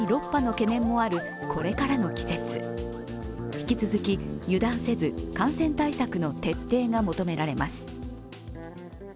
引き続き油断せず感染対策の徹底が求められます。